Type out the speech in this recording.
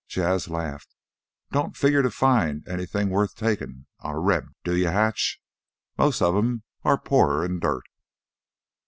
Jas' laughed. "Don't figure to find anything worth takin' on a Reb do you, Hatch? Most of 'em are poorer'n dirt."